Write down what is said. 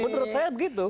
menurut saya begitu